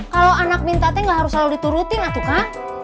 kalau anak minta tuh nggak harus selalu diturutin atuka